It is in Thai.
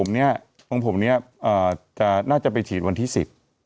เดิมซะผมผมเนี้ยน่าจะไปฉีดวันที่สิบ